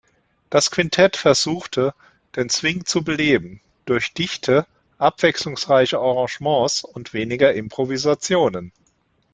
Das Quintette versuchte, den Swing zu beleben, durch dichte, abwechslungsreichen Arrangements und weniger Improvisationen.